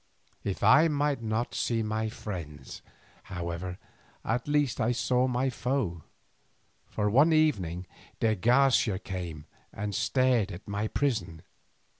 If I might not see my friends, however, at least I saw my foe, for one evening de Garcia came and stared at my prison.